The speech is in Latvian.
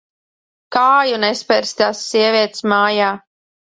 Kāju nespersi tās sievietes mājā.